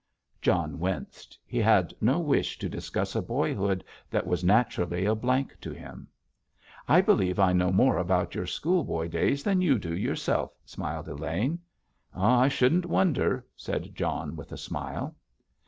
John winced. He had no wish to discuss a boyhood that was naturally a blank to him. "I believe I know more about your schoolboy days than you do yourself," smiled Elaine. "I shouldn't wonder," said John with a smile.